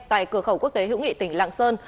tại cửa khẩu quốc tế hữu nghị tỉnh lạng sơn